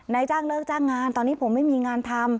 จ้างเลิกจ้างงานตอนนี้ผมไม่มีงานทำ